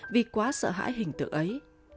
vì quá sợ hãi hình tượng ấy